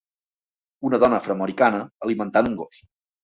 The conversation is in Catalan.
Una dona afroamericana alimentant un gos.